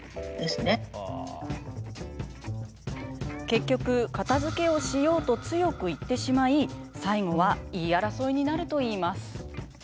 結局、片づけをしようと強く言ってしまい最後は言い争いになるといいます。